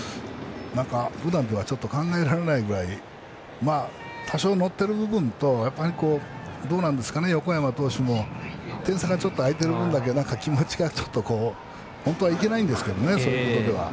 ふだんではちょっと考えられないぐらい多少のっている部分と横山投手も、点差がちょっと開いてる分だけ気持ちが本当はいけないんですけどね。